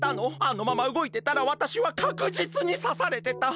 あのままうごいてたらわたしはかくじつにさされてた。